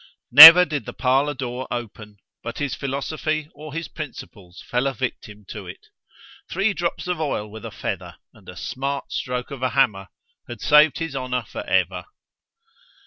—Never did the parlour door open—but his philosophy or his principles fell a victim to it;——three drops of oil with a feather, and a smart stroke of a hammer, had saved his honour for ever.